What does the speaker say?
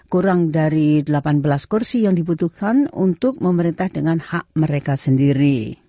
kurang dari delapan belas kursi yang dibutuhkan untuk memerintah dengan hak mereka sendiri